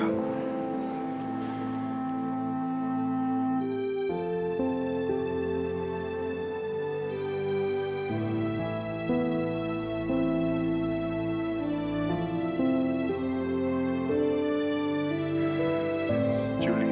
aku juga merasa bahwa cintaku itu gak lengkap